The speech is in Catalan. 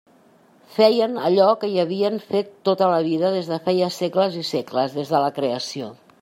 Feien allò que hi havien fet tota la vida des de feia segles i segles, des de la creació.